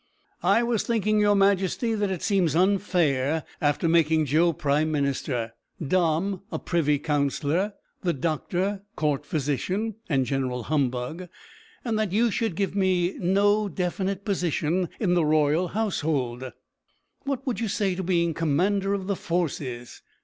"I was thinking, your majesty, that it seems unfair, after making Joe prime minister, Dom a privy councillor, the doctor Court physician and general humbug, that you should give me no definite position in the royal household." "What would you say to being commander of the forces?"